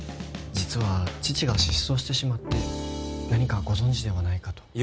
実は父が失踪してしまって何かご存じではないかと。